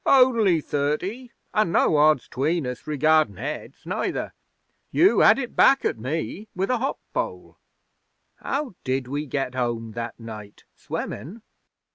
'Only thirty, an' no odds 'tween us regardin' heads, neither. You had it back at me with a hop pole. How did we get home that night? Swimmin'?'